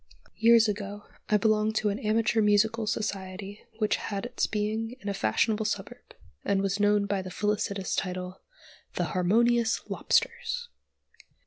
Years ago I belonged to an amateur musical society which had its being in a fashionable suburb, and was known by the felicitous title, "The Harmonious Lobsters."